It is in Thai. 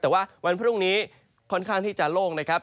แต่ว่าวันพรุ่งนี้ค่อนข้างที่จะโล่งนะครับ